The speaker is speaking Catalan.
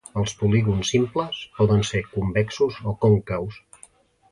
Els polígons simples poden ser convexos o còncaus.